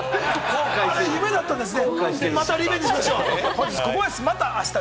あれが夢だったんですね。